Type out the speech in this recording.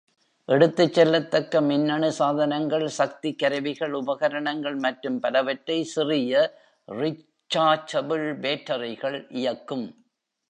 எடுத்துச் செல்லத்தக்க மின்னணு சாதனங்கள், சக்தி கருவிகள், உபகரணங்கள் மற்றும் பலவற்றை சிறிய ரிச்சார்ஜபிள் பேட்டரிகள் இயக்கும்.